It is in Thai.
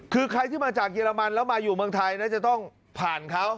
คือใครที่มาจากเยอรมันแล้วมาอยู่เมืองไทยนะจะต้องผ่านเขา